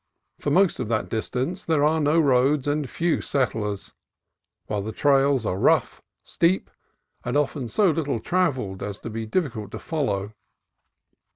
For most of that distance THE COAST RANGE COUNTRY 159 there are no roads and few settlers, while the trails are rough, steep, and often so little travelled as to be difficult to follow.